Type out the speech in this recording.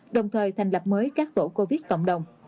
đồng thời thành lập mới các tổ covid cộng đồng